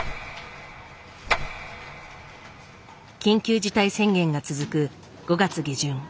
緊急事態宣言が続く５月下旬